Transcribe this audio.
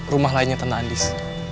rumah lainnya tentang andis